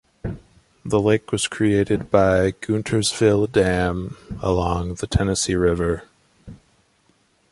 The lake was created by Guntersville Dam along the Tennessee River.